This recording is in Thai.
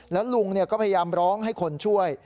แล้วลุงก็พยายามร้องให้คนช่วย